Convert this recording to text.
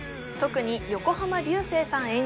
特に横浜流星さん